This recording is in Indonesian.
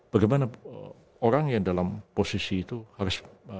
bagaimana orang yang dalam posisi itu harus